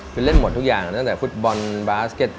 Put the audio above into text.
คือเล่นหมดทุกอย่างตั้งแต่ฟุตบอลบาสเก็ต